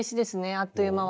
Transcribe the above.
あっという間は。